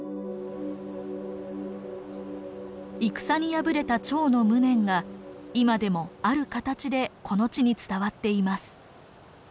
戦に敗れた趙の無念が今でもある形でこの地に伝わっています。